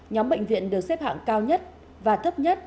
nhóm bệnh viện được xếp hạng cao nhất và thấp nhất